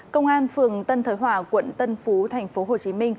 công an phường tân thới hỏa quận tân phú tp hcm